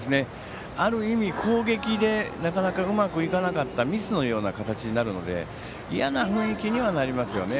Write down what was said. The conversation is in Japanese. ある意味、攻撃でなかなかうまくいかなかったミスのような形になるので嫌な雰囲気にはなりますよね。